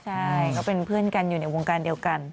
ใช่ก็เป็นเพื่อนกันอยู่ในวงการเดียวกัน